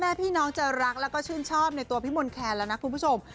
พ่อแม่พี่น้องจะรักและชื่นชอบในตัวพี่หมนแคนแล้วนะคุณผู้ชม